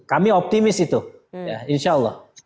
kami optimis itu ya insya allah